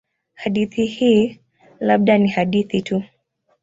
Hadithi hii labda ni hadithi tu.